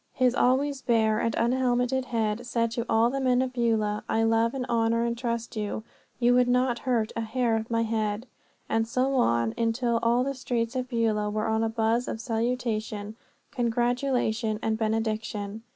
His always bare and unhelmeted head said to all the men of Beulah, I love and honour and trust you. You would not hurt a hair of my head. And so on, till all the streets of Beulah were one buzz of salutation, congratulation, and benediction.